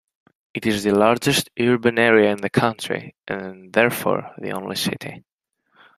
It is the largest urban area in the country, and therefore the only city.